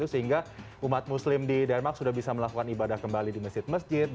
sehingga umat muslim di denmark sudah bisa melakukan ibadah kembali di masjid masjid